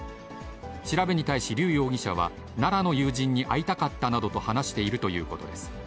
調べに対し、劉容疑者は、奈良の友人に会いたかったなどと話しているということです。